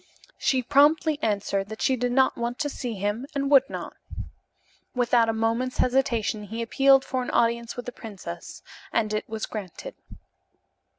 She promptly answered that she did not want to see him and would not. Without a moment's hesitation he appealed for an audience with the princess, and it was granted.